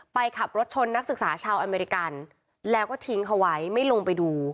ขับรถชนนักศึกษาชาวอเมริกันแล้วก็ทิ้งเขาไว้ไม่ลงไปดู